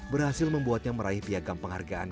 berhasil membuatnya meraih piagam penghargaan